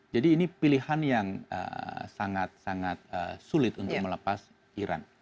jadi ini pilihan yang sangat sangat sulit untuk melepas iran